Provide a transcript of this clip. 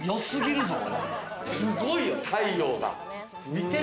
すごいよ、太陽が。